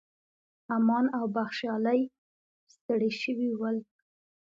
امان او بخشالۍ ستړي شوي ول.